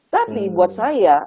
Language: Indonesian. tapi buat saya